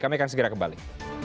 kami akan segera kembali